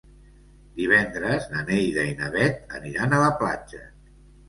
Divendres na Neida i na Bet aniran a la platja.